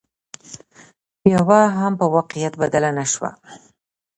يوه هم په واقعيت بدله نشوه